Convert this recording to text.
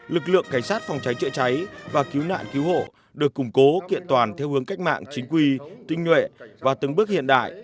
lực lượng cảnh sát phòng cháy chữa cháy và cứu nạn cứu hộ được củng cố kiện toàn theo hướng cách mạng chính quy tinh nhuệ và từng bước hiện đại